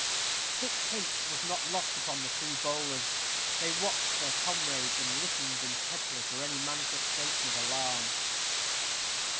Dick's hint was not lost upon the two bowlers. They watched their comrades; and listened intently for any manifestation of alarm.